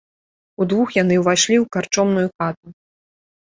Удвух яны ўвайшлі ў карчомную хату.